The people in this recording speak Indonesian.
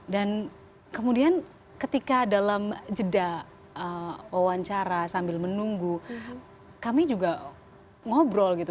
dan kemudian ketika dalam jeda wawancara sambil menunggu kami juga ngobrol gitu